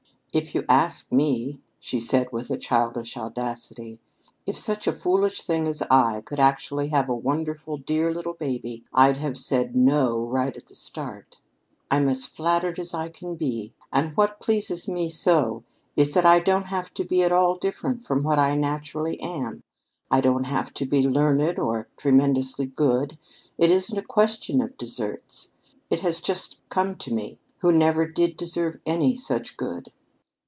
"If you'd ask me," she said with childish audacity, "if such a foolish little thing as I could actually have a wonderful, dear little baby, I'd have said 'no' right at the start. I'm as flattered as I can be. And what pleases me so is that I don't have to be at all different from what I naturally am. I don't have to be learned or tremendously good; it isn't a question of deserts. It has just come to me who never did deserve any such good!"